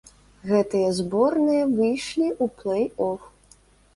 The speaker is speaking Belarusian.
Гэтыя зборныя выйшлі ў плэй-оф.